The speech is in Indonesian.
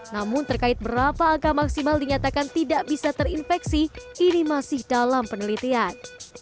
namun terkait berapa angka maksimal dinyatakan tidak bisa terinfeksi ini masih dalam penelitian